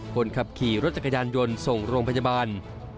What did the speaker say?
คนขับขี่รถจักรยานยนต์ส่งโรงพยาบาล